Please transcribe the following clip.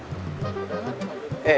oh mau ada apa ini